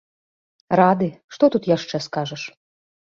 Рады, што тут яшчэ скажаш?